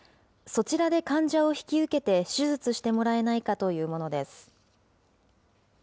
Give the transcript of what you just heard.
そちらで患者を引き受けて手術してもらえないかというものです。